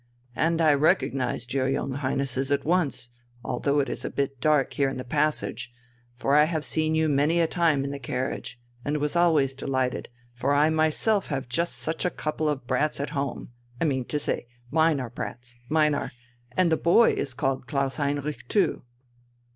"... and I recognized your young Highnesses at once, although it is a bit dark here in the passage, for I have seen you many a time in the carriage, and was always delighted, for I myself have just such a couple of brats at home I mean to say, mine are brats, mine are ... and the boy is called Klaus Heinrich too."